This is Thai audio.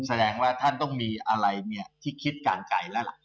แสดงว่าท่านต้องมีอะไรเนี่ยที่คิดการไกลแล้วล่ะ